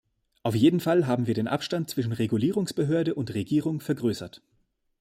Auf jeden Fall haben wir den Abstand zwischen Regulierungsbehörde und Regierung vergrößert.